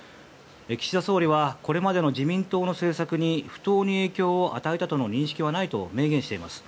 岸田総理はこれまでの自民党の政策に不当に影響を与えたとの認識はないと明言しています。